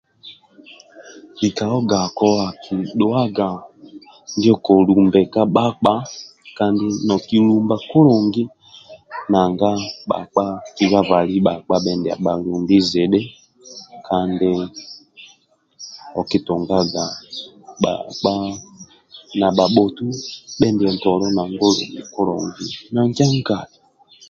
Lika ogako akidhuaga ndio kolumbi kulungi nanga bhakpa kibĥabali bhakpa ndibha bhalumbi zidhi kandi okutungaga bhakpa na bhabhotu bhindieyolo nanga olumbi kulungi nanje nga